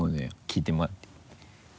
聞いてもらって。